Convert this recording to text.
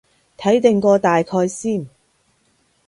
睇定個大概先